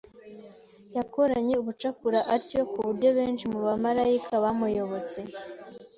yakoranye ubucakura atyo ku buryo benshi mu bamarayika bamuyobotse